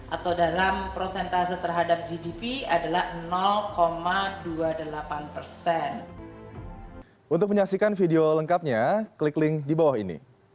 atau dalam prosentase terhadap gdp adalah dua puluh delapan persen